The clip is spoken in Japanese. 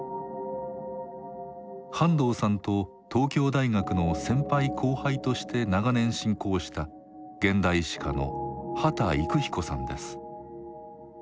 半藤さんと東京大学の先輩後輩として長年親交した現代史家の秦郁彦さんです。